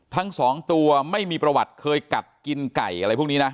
ทั้งสองตัวไม่มีประวัติเคยกัดกินไก่อะไรพวกนี้นะ